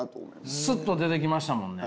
すっと出てきましたもんね。